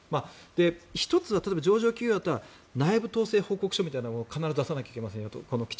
１つは上場企業だったら内部統制報告書みたいなものを必ず出さないといけませんよと。